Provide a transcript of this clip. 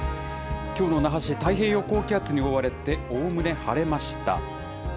きょうの那覇市、太平洋高気圧に覆われて、おおむね晴れました。